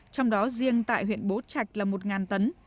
trong đó riêng tại huyện bố trạch là một tấn